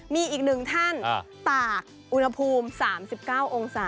มีอีกหนึ่งท่านตากอุณหภูมิ๓๙องศา